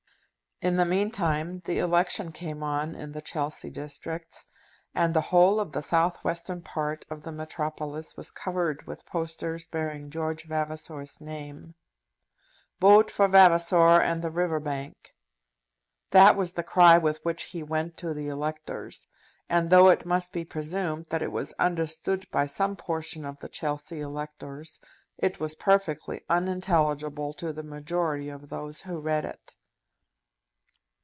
In the meantime the election came on in the Chelsea districts, and the whole of the south western part of the metropolis was covered with posters bearing George Vavasor's name. "Vote for Vavasor and the River Bank." That was the cry with which he went to the electors; and though it must be presumed that it was understood by some portion of the Chelsea electors, it was perfectly unintelligible to the majority of those who read it.